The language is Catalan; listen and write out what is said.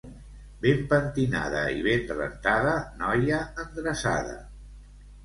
Ben pentinada i ben rentada, noia endreçada.